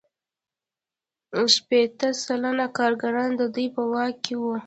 شپیته سلنه کارګران د دوی په واک کې وو